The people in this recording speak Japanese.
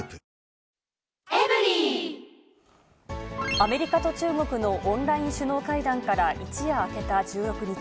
アメリカと中国のオンライン首脳会談から一夜明けた１６日。